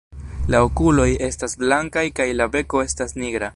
La okuloj estas blankaj kaj la beko estas nigra.